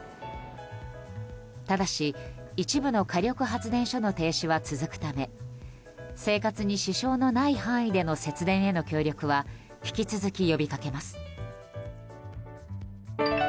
ただし、一部の火力発電所の停止は続くため生活に支障のない範囲での節電への協力は引き続き、呼びかけます。